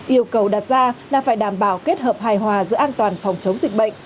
yêu cầu đặt ra là phải đảm bảo kết hợp hài hòa giữa an toàn phòng chống dịch bệnh